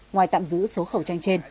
ngoài tạm giữ số khẩu trang trên